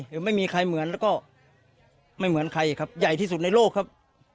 คือไม่มีใครเหมือนแล้วก็ไม่เหมือนใครครับใหญ่ที่สุดในโลกครับ